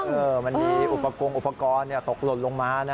เออมันมีอุปกรณ์อุปกรณ์ตกหล่นลงมานะ